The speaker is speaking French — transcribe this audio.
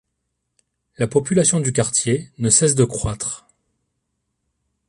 La population du quartier ne cesse de croître.